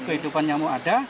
kehidupan nyamuk ada